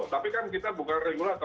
tapi kan kita bukan regulator